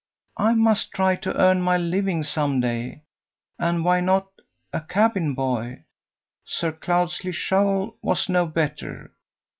I must try to earn my living some day. And why not a cabin boy? Sir Cloudesley Shovel was no better.